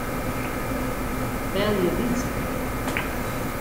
Belje Wytse.